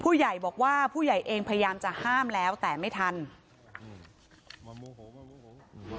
ผู้ใหญ่บอกว่าผู้ใหญ่เองพยายามจะห้ามแล้วแต่ไม่ทันอืมมาโมโหมาโมโห